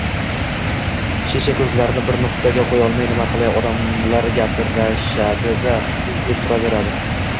shisha ko‘zlarini bir nuqtaga qo‘yolmay “nima qilay, odamlar gapirishadi-da!” – deb turaveradi.